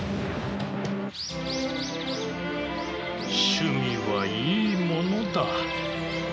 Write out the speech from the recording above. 趣味はいいものだ。